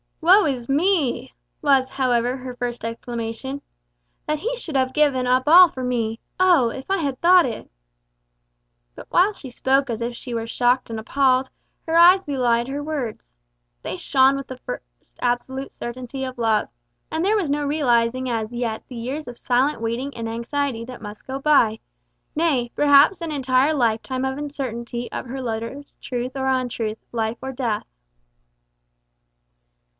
"Woe is me!" was, however, her first exclamation. "That he should have given up all for me! Oh! if I had thought it!" But while she spoke as if she were shocked and appalled, her eyes belied her words. They shone with the first absolute certainty of love, and there was no realising as yet the years of silent waiting and anxiety that must go by, nay, perhaps an entire lifetime of uncertainty of her lover's truth or untruth, life or death.